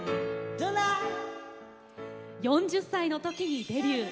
４０歳の時にデビュー。